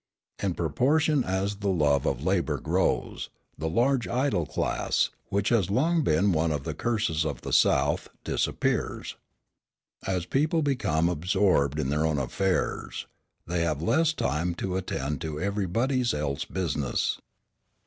In proportion as the love of labour grows, the large idle class, which has long been one of the curses of the South, disappears. As people become absorbed in their own affairs, they have less time to attend to everybody's else business.